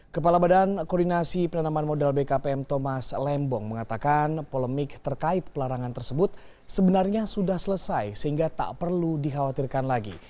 kepala badan koordinasi penanaman modal bkpm thomas lembong mengatakan polemik terkait pelarangan tersebut sebenarnya sudah selesai sehingga tak perlu dikhawatirkan lagi